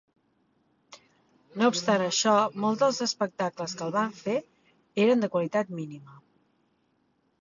No obstant això, molt dels espectacles que el van fer eren de qualitat mínima.